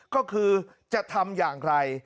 ก็คือจะทำอย่างไร